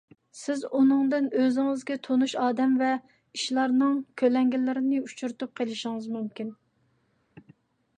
سىز ئۇنىڭدىن ئۆزىڭىزگە تونۇش ئادەم ۋە ئىشلارنىڭ كۆلەڭگىلىرىنى ئۇچرىتىپ قېلىشىڭىز مۇمكىن.